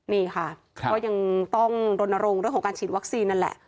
นี่ค่ะก็ยังต้องรณรงค์เรื่องของการฉีดวัคซีนนั่นแหละ